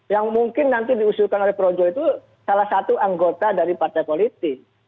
yang mungkin nanti diusulkan oleh projo itu salah satu anggota dari partai politik